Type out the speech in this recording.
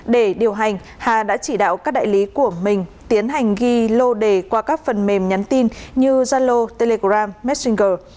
để điều hành hà đã chỉ đạo các đại lý của mình tiến hành ghi lô đề qua các phần mềm nhắn tin như zalo telegram messenger